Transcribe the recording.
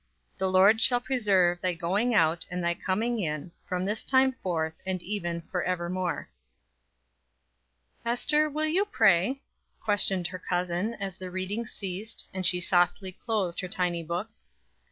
The Lord shall preserve thy going out and thy coming in, from this time forth, and even for evermore." "Ester, will you pray?" questioned her cousin, as the reading ceased, and she softly closed her tiny book.